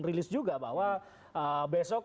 rilis juga bahwa besok